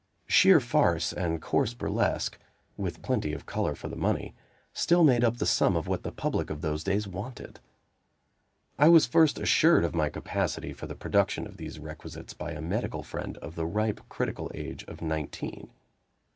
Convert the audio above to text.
Sheer farce and coarse burlesque, with plenty of color for the money, still made up the sum of what the public of those days wanted. I was first assured of my capacity for the production of these requisites, by a medical friend of the ripe critical age of nineteen.